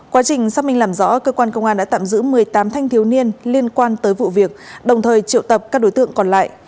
quá trình xác minh làm rõ cơ quan công an đã tạm giữ một mươi tám thanh thiếu niên liên quan tới vụ việc đồng thời triệu tập các đối tượng còn lại